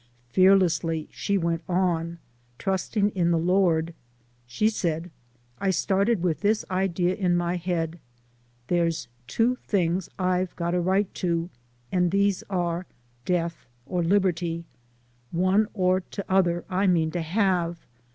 Fearlessly she went on, trusting in the Lord. She said, u I started with this idea in my head, ' Dere's two things I've got a riyht to, and dese are. Death or Liberty one or tother I mean to have.